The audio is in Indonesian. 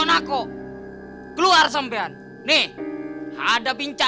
aduh liat kan kiwek si ga